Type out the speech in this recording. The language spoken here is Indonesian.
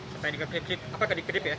sampai di kedip kedip ya